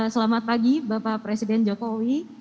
selamat pagi bapak presiden jokowi